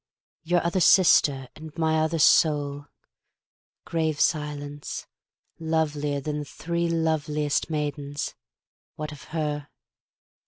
Your other sister and my other soul Grave Silence, lovelier Than the three loveliest maidens, what of her?